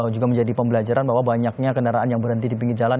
juga menjadi pembelajaran bahwa banyaknya kendaraan yang berhenti di pinggir jalan